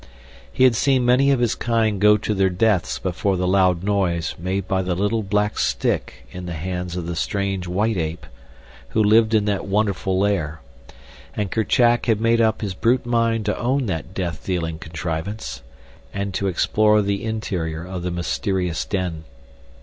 He had seen many of his kind go to their deaths before the loud noise made by the little black stick in the hands of the strange white ape who lived in that wonderful lair, and Kerchak had made up his brute mind to own that death dealing contrivance, and to explore the interior of the mysterious den.